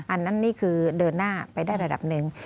อันนั้นนี่คือเดินหน้าไปได้ระดับหนึ่ง